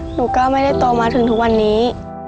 หนูก็ไม่ได้โตมาถึงทุกวันนี้